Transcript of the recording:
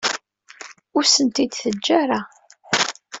Ur asen-ten-id-teǧǧa ara.